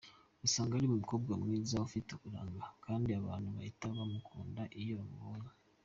Usanga ari umukobwa mwiza, ufite uburanga kandi abantu bahita bamukunda iyo bamubonye.